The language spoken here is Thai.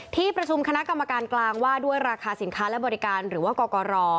ที่ประชุมคณะกรรมการกลางว่าด้วยราคาสินค้าและบริการหรือว่ากรกร